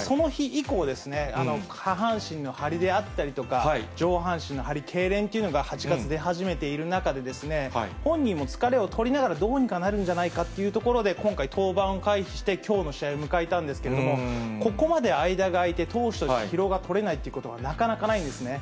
その日以降、下半身の張りであったりとか、上半身のはり、けいれんというのが、８月出始めている中、本人も疲れを取りながら、どうにかなるんじゃないかということで、今回、登板を回避して、きょうの試合を迎えたんですけれども、ここまで間が開いて投手として疲労が取れないってことはなかなかないんですね。